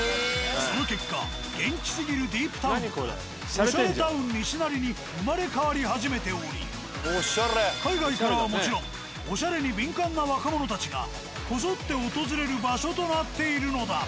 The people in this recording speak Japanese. その結果元気すぎるディープタウンからオシャレタウン西成に生まれ変わり始めており海外からはもちろんオシャレに敏感な若者たちがこぞって訪れる場所となっているのだ。